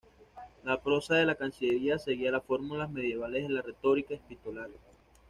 La prosa de la Cancillería seguía las fórmulas medievales de la retórica epistolar.